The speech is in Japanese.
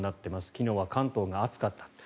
昨日は関東が暑かった。